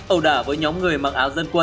ẩu đả với những người dân về quê miền trung